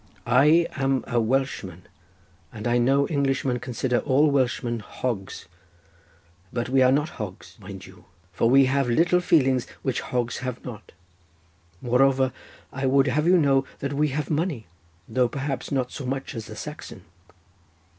I am a Welshman, and I know Englishmen consider all Welshmen hogs. But we are not hogs, mind you! for we have little feelings which hogs have not. Moreover, I would have you know that we have money, though perhaps not so much as the Saxon."